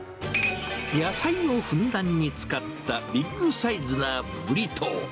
野菜をふんだんに使ったビッグサイズなブリトー。